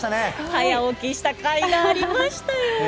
早起きしたかいがありましたよ。